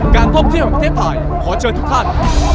การท่องเที่ยวประเทศไทยขอเชิญทุกท่าน